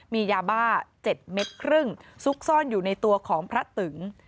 มียาบ้า๗เม็ดครึ่งซุกซ่อนอยู่ในตัวของพระตึง